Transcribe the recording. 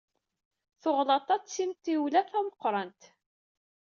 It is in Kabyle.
Tuɣḍaṭ-a d timṭiwla tameqqrant.